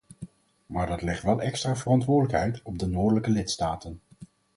Maar dat legt wel extra verantwoordelijkheid op de noordelijke lidstaten.